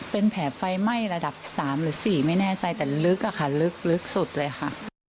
เป็นแผลไฟไหม้ระดับ๓หรือ๔ไม่แน่ใจแต่ลึกอะค่ะลึกสุดเลยค่ะ